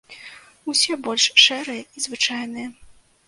Усе больш шэрыя і звычайныя.